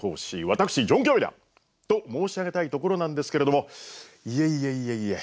私ジョン・カビラと申し上げたいところなんですけれどもいえいえいえいえ